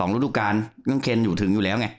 ๒ฤทธิการเงินเคลนอยู่ถึงอยู่แล้วไง